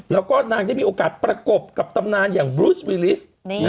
แล้วก็นางได้มีโอกาสประกบกับตำนานอย่างบลูสวีลิส